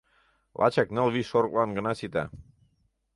Лачак ныл-вич шорыклан гына сита.